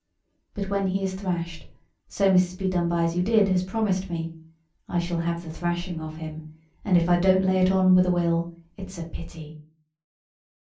But when he is thrashed—so Mrs. Bedonebyasyoudid has promised me—I shall have the thrashing of him: and if I don't lay it on with a will it's a pity."